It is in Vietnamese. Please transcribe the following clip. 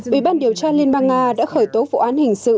bị ban điều tra liên bang nga đã khởi tố vụ án hình sự